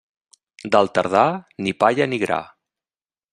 Del tardà, ni palla ni gra.